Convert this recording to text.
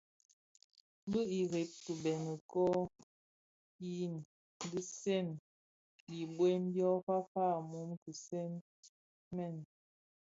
Bi ireb kibeňi kō yin di nsèň khibuen dyō yè fafa a mum kisee mèn.